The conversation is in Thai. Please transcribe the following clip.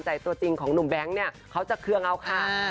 ใช่ก็ตามหามานาน